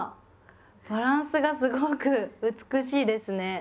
バランスがすごく美しいですね。